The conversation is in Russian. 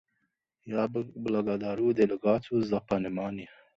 Я благодарю делегации за понимание.